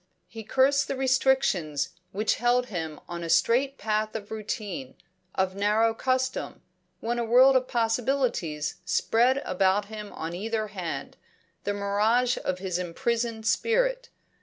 He cursed the restrictions which held him on a straight path of routine, of narrow custom, when a world of possibilities spread about him on either hand, the mirage of his imprisoned spirit.